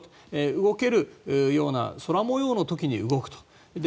動けるような空模様の時に動くと。